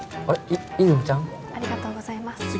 ありがとうございます